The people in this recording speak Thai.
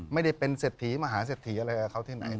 ไม่ได้เป็นเศรษฐีมหาเศรษฐีอะไรกับเขาที่ไหน